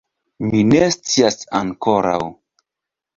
Mi ne scias ankoraŭ.